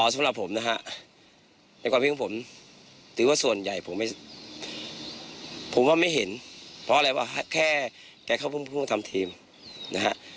สำหรับผมนะฮะในความคิดของผมถือว่าส่วนใหญ่ผมว่าไม่เห็นเพราะอะไรว่าแค่แกเข้าพุ่มพ่วงทำทีมนะฮะ